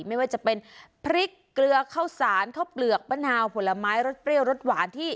ไม่ว่าจะเป็นพริกเกลือข้าวสารข้าวเปลือกมะนาวผลไม้รสเปรี้ยวรสหวานที่